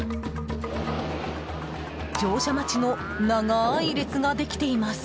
乗車待ちの長い列ができています。